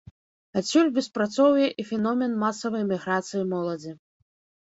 Адсюль беспрацоўе і феномен масавай эміграцыі моладзі.